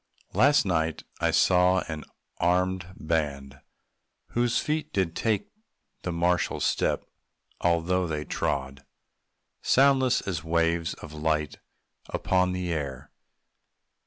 Last night I saw an armèd band, whose feet Did take the martial step, although they trod Soundless as waves of light upon the air.